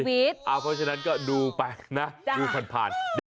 เพราะฉะนั้นก็ดูไปนะดูผ่าน